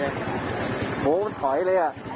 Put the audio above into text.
เหมือนแหละ